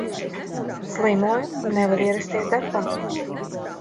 Slimoju un nevaru ierasties darbā.